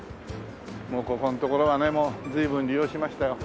もうここのところはね随分利用しましたよ。